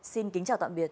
xin kính chào tạm biệt